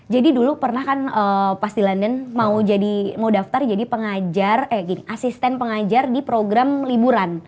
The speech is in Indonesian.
jadi dulu pernah kan pas di london mau daftar jadi asisten pengajar di program liburan